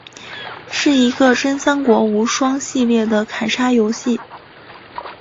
是一个真三国无双系列的砍杀游戏。